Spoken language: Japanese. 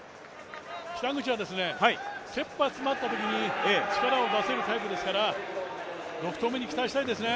北口は切羽詰まったときに力を出せるタイプですから６投目に期待したいですね。